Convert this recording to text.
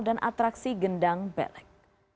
dan atraksi gendang belek